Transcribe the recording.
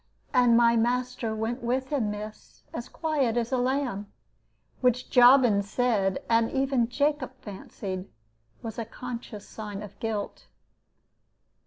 And my master went with him, miss, as quiet as a lamb; which Jobbins said, and even Jacob fancied, was a conscience sign of guilt.